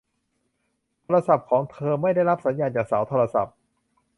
โทรศัพท์ของเธอไม่ได้รับสัญญาณจากเสาโทรศัพท์